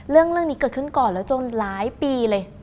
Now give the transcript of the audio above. เรื่องนี้เกิดขึ้นก่อนแล้วจนหลายปีเลย